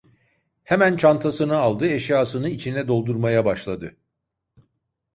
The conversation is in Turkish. Hemen çantasını aldı, eşyasını içine doldurmaya başladı.